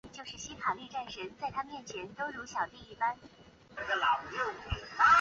圆芽箭竹为禾本科箭竹属下的一个种。